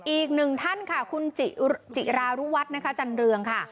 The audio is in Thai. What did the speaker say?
อีกหนึ่งท่านคุณจิรารูวัฒน์จันริวัฒน์ค่ะ